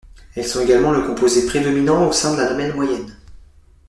Elles sont également le composé prédominant au sein de la lamelle moyenne.